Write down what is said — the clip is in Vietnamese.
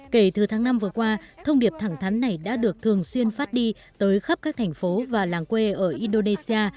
kể từ tháng năm vừa qua thông điệp thẳng thắn này đã được thường xuyên phát đi tới khắp các thành phố và làng quê ở indonesia